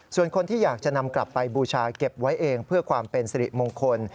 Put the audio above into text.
ส่วนคนที่อยากจะนำกลับไปบูชาเก็บไว้เองเพื่อความเป็นสิริมงคล